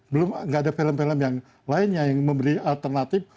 belum nggak ada film film yang lainnya yang memberi alternatif